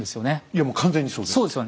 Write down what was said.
いやもう完全にそうです。